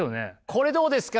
これどうですか？